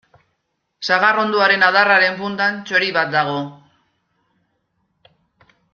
Sagarrondoaren adarraren punta txori bat dago.